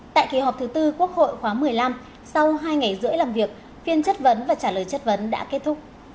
tại kỳ họp thứ tư quốc hội khóa một mươi năm sau hai ngày rưỡi làm việc phiên chất vấn và trả lời chất vấn đã kết thúc